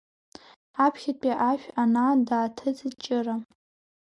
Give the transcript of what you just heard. Аԥхьатәи ашә анаат дааҭыҵит Ҷыра.